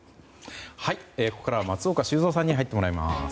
ここからは松岡修造さんに入ってもらいます。